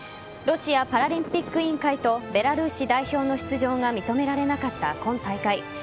ロシアパラリンピック委員会とベラルーシ代表の出場が認められなかった今大会。